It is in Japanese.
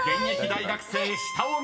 大学生下尾み